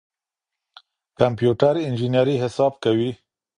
کمپيوټر انجنيري حساب کوي.